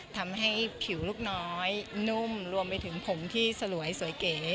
ทำให้ผิวลูกน้อยนุ่มรวมไปถึงผมที่สลวยสวยเก๋